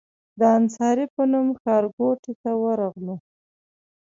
د انصاري په نوم ښارګوټي ته ورغلو.